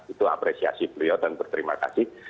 itu apresiasi beliau dan berterima kasih